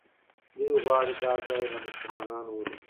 دوی غواړي دا ځای له مسلمانانو ونیسي.